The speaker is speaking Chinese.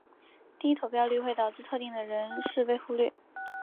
低投票率会导致特定的人士被忽略。